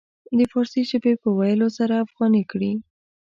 د فارسي ژبې په ويلو سره افغاني کړي.